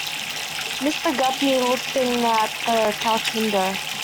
Mr. Guppy looked in at the coach-window.